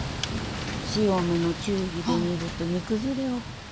強めの中火で煮ると煮崩れを防ぎますから。